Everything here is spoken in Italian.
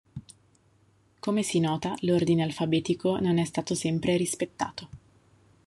Come si nota, l'ordine alfabetico non è stato sempre rispettato.